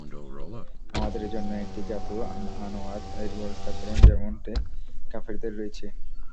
আমাদের জন্যেও একটি যাতু আনওয়াত-এর ব্যবস্থা করুন, যেমনটি কাফিরদের রয়েছে।